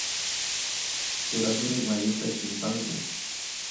turasniy mayuta chimpanku